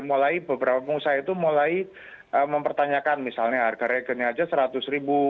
mulai beberapa pengusaha itu mulai mempertanyakan misalnya harga reagennya aja seratus ribu